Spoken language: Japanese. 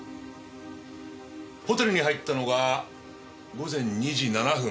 ホテルに入ったのが午前２時７分。